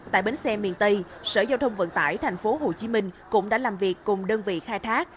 tại bến xe miền tây sở giao thông vận tải tp hcm cũng đã làm việc cùng đơn vị khai thác